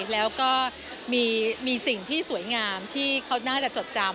แล้วก็มีสิ่งที่สวยงามที่เขาน่าจะจดจำ